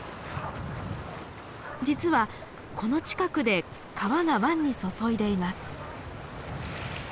実はこの近くで川が湾に注いでいます。